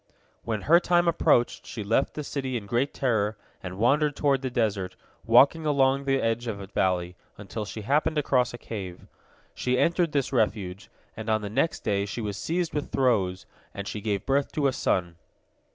When her time approached, she left the city in great terror and wandered toward the desert, walking along the edge of a valley, until she happened across a cave. She entered this refuge, and on the next day she was seized with throes, and she gave birth to a son.